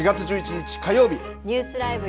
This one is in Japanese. ニュースＬＩＶＥ！